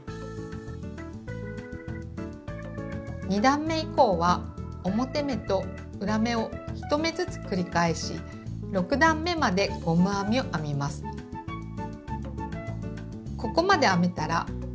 ２段め以降は表目と裏目を１目ずつ繰り返し６段めまでゴム編みを編みます。